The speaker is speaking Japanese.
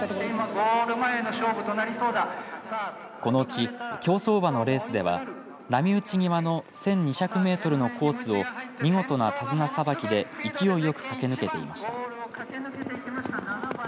このうち競走馬のレースでは、波打ち際の１２００メートルのコースを見事な手綱さばきで、勢いよく駆け抜けていきました。